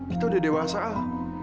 kita udah dewasa al